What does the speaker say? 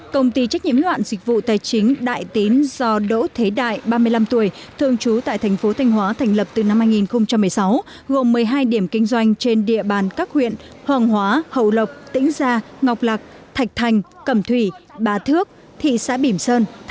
công ty trách nhiệm hoạn dịch vụ tài chính đại tín do đỗ thế đại ba mươi năm tuổi thường trú tại thành phố thanh hóa thành lập từ năm hai nghìn một mươi sáu gồm một mươi hai điểm kinh doanh trên địa bàn các huyện hoàng hóa hậu lộc tĩnh gia ngọc lạc thạch thành cẩm thủy bà thước thị xã bỉm sơn